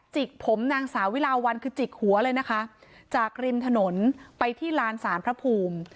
กผมนางสาวิลาวันคือจิกหัวเลยนะคะจากริมถนนไปที่ลานสารพระภูมิ